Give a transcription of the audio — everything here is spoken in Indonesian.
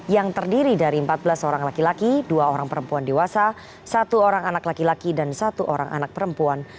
yang terdiri dari empat belas orang laki laki dua orang perempuan dewasa satu orang anak laki laki dan satu orang anak perempuan